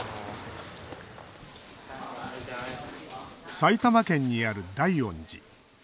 埼玉県にある大恩寺。